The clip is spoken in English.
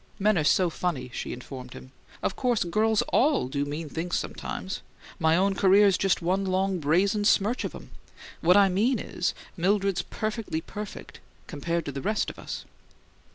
"Men are so funny!" she informed him. "Of course girls ALL do mean things sometimes. My own career's just one long brazen smirch of 'em! What I mean is, Mildred's perfectly perfect compared to the rest of us."